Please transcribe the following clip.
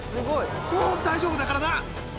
もう大丈夫だからな！